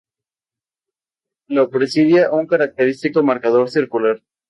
Lo presidía un característico marcador circular.